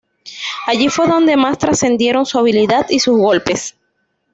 Allí fue donde más trascendieron su habilidad y sus goles.